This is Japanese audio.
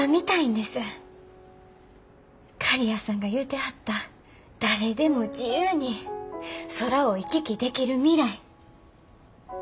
刈谷さんが言うてはった誰でも自由に空を行き来できる未来。